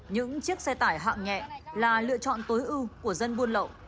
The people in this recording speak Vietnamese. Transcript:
những chiếc xe tải hạng nhẹ là lựa chọn tối ưu của dân buôn lậu